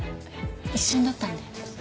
一瞬だったんで。